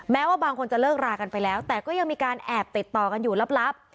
ว่าบางคนจะเลิกรากันไปแล้วแต่ก็ยังมีการแอบติดต่อกันอยู่ลับ